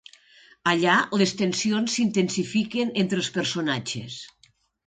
Allà, les tensions s'intensifiquen entre els personatges.